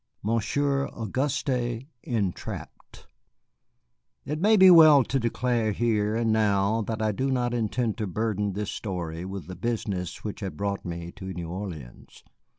MONSIEUR AUGUSTE ENTRAPPED It may be well to declare here and now that I do not intend to burden this story with the business which had brought me to New Orleans.